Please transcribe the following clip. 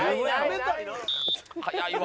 早いわ。